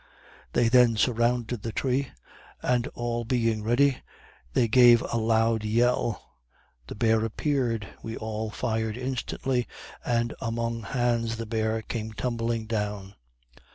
They then surrounded the tree, and all being ready, they gave a loud yell; the bear appeared, we all fired instantly, and among hands the bear came tumbling down.